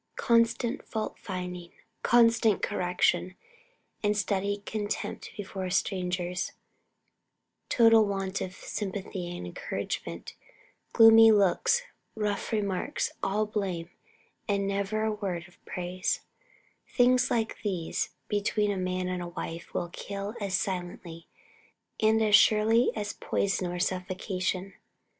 Constant fault finding, constant correction and studied contempt before strangers, total want of sympathy and encouragement, gloomy looks, rough remarks, all blame and never a word of praise, things like these between man and wife will kill as silently and as surely as poison or suffocation.